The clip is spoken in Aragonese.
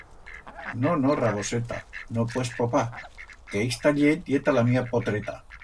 No, no, Raboseta, no puets popar, que ista llet ye ta la mía potreta.